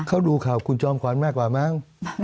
เขาดูข่าวคุณจอมขวัญมากกว่ามั้ง